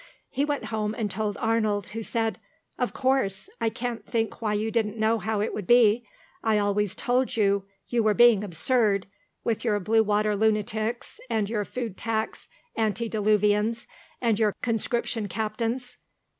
He went home and told Arnold, who said, "Of course. I can't think why you didn't know how it would be. I always told you you were being absurd, with your Blue Water lunatics, and your Food Tax ante diluvians, and your conscription captains.